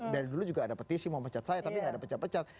dari dulu juga ada petisi mau pecat saya tapi nggak ada pecat pecat